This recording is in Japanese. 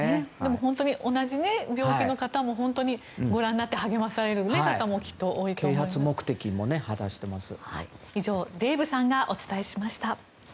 本当に同じ病気の方もご覧になって励まされる方もきっと多いと思います。